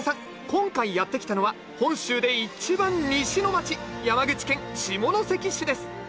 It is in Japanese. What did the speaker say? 今回やって来たのは本州で一番西の街山口県下関市です。